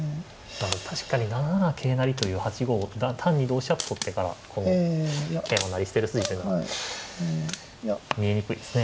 確かに７七桂成という８五を単に同飛車と取ってからこう桂馬成り捨てる筋っていうのは見えにくいですね。